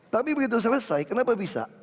tapi begitu selesai kenapa bisa